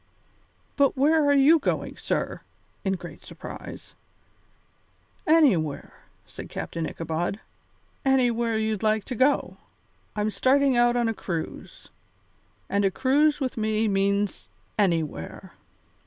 "But where are you going, sir?" in great surprise. "Anywhere," said Captain Ichabod, "anywhere you'd like to go. I'm starting out on a cruise, and a cruise with me means anywhere.